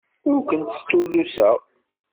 Ur kent-stulluseɣ.